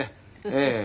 ええ。